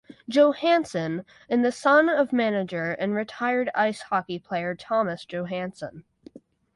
Johansson in the son of manager and retired ice hockey player Thomas Johansson.